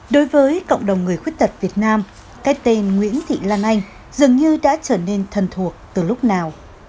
đối với cộng đồng người khuyết tật việt nam cái tên nguyễn thị lan anh dường như đã trở nên thần thuộc từ lúc nào